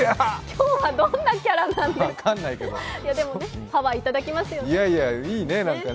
今日はどんなキャラなんですか。